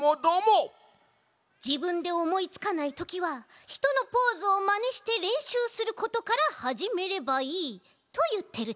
「じぶんでおもいつかないときはひとのポーズをまねしてれんしゅうすることからはじめればいい」といってるち。